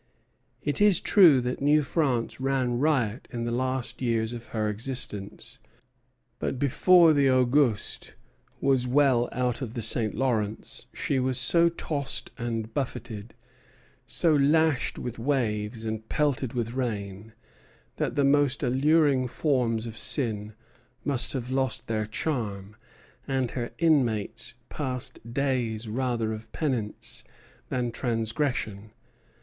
It is true that New France ran riot in the last years of her existence; but before the "Auguste" was well out of the St. Lawrence she was so tossed and buffeted, so lashed with waves and pelted with rain, that the most alluring forms of sin must have lost their charm, and her inmates passed days rather of penance than transgression.